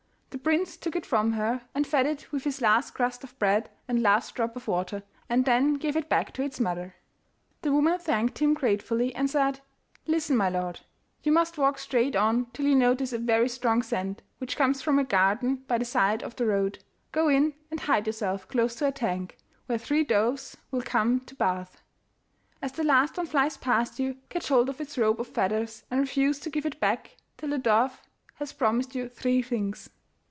The prince took it from her, and fed it with his last crust of bread and last drop of water, and then gave it back to its mother. The woman thanked him gratefully, and said: 'Listen, my lord. You must walk straight on till you notice a very strong scent, which comes from a garden by the side of the road. Go in and hide yourself close to a tank, where three doves will come to bathe. As the last one flies past you, catch hold of its robe of feathers, and refuse to give it back till the dove has promised you three things.